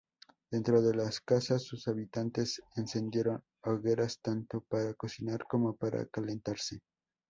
Dentro de las casas, sus habitantes encendieron hogueras, tanto para cocinar como para calentarse.